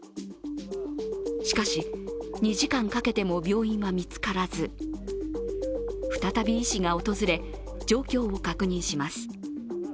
しかし、２時間かけても病院は見つからず、再び医師が訪れ、状況を確認します